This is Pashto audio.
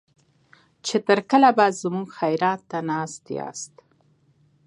چې تر کله به زموږ خيرات ته ناست ياست.